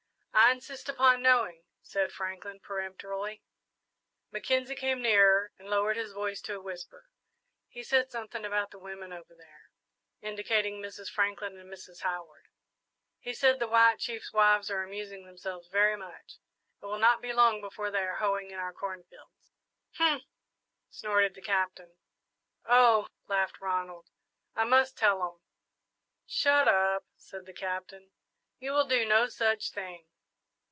"I insist upon knowing," said Franklin, peremptorily. Mackenzie came nearer and lowered his voice to a whisper. "He said something about the women over there," indicating Mrs. Franklin and Mrs. Howard. "He said 'the white chief's wives are amusing themselves very much. It will not be long before they are hoeing in our corn fields.'" "Humph!" snorted the Captain. "Oh!" laughed Ronald, "I must tell 'em!" "Shut up," said the Captain; "you will do no such thing!"